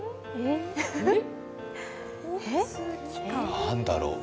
何だろう。